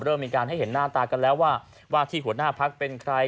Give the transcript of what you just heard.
เริ่มมีการให้เห็นหน้าตากันแล้วว่าว่าที่หัวหน้าพักเป็นใคร